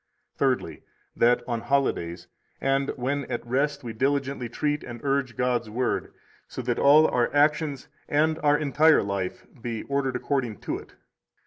Thirdly, that on holidays and when at rest we diligently treat and urge God's Word, so that all our actions and our entire life be ordered according to it.